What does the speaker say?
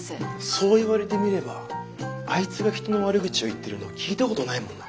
そう言われてみればあいつが人の悪口を言ってるのを聞いたことないもんな。